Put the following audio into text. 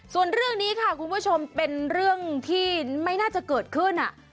ส่วนเรื่องนี้ค่ะคุณผู้ชมเป็นเรื่องที่ไม่น่าจะเกิดขึ้น